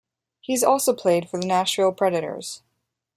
He has also played for the Nashville Predators.